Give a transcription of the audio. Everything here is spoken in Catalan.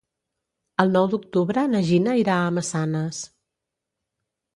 El nou d'octubre na Gina irà a Massanes.